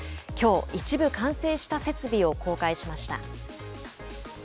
きょう、一部完成した設備を公開しました。